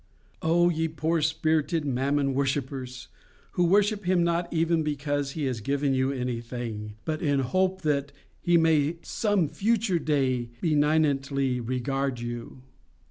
O ye poor spirited Mammon worshippers! who worship him not even because he has given you anything, but in the hope that he may some future day benignantly regard you.